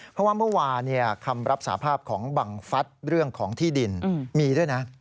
เพราะว่าเมื่อวานคำรับสาภาพของบังฟัฐเรื่องของที่ดินมีด้วยนะ